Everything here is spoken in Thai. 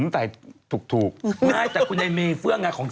ถูก